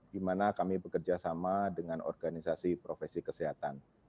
di mana kami bekerja sama dengan organisasi profesi kesehatan